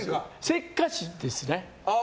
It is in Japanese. せっかちですね。